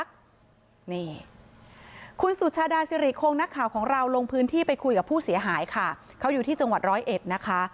นี่คุณสุชาดาสิริคงนักข่าวของเราลงพื้นที่ไปคุยกับผู้เสียหายค่ะเขาอยู่ที่จังหวัดร้อยเอ็ดนะคะ